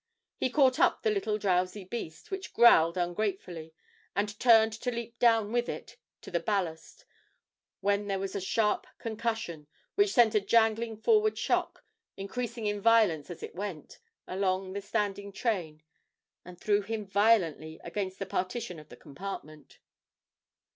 He caught up the little drowsy beast, which growled ungratefully, and turned to leap down with it to the ballast, when there was a sharp concussion, which sent a jangling forward shock, increasing in violence as it went, along the standing train, and threw him violently against the partition of the compartment.